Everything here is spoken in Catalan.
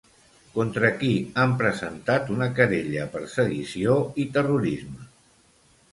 Contra qui han presentat una querella per sedició i terrorisme?